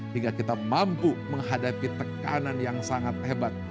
hingga kita mampu menghadapi tekanan yang sangat hebat